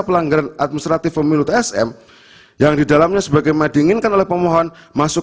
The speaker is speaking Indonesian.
pelanggaran administratif pemilu tsm yang didalamnya sebagaimadinginkan oleh pemohon masuk